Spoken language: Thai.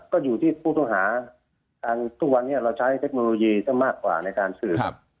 ก็อยู่ที่ผู้ต้องหาทางทุกวันนี้เราใช้เทคโนโลยีซะมากกว่าในการสืบ